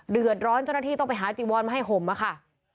เดือดร้อนเจ้าหน้าที่ต้องไปหาจิวรมาให้ห่มอะค่ะ